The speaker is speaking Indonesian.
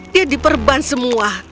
dia diperban semua